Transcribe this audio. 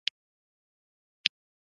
مرکب له عنصر سره څه توپیر لري.